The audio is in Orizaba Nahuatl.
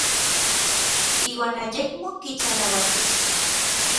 Iuan ayekmo kitlanauatiskej.